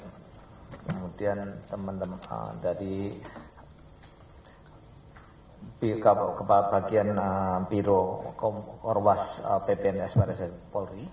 kemudian teman teman dari bagian biro orwas ppns baris polri